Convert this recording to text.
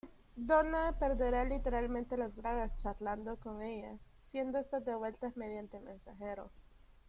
Donna perderá literalmente las bragas charlando con ella, siendo estas devuelta mediante mensajero.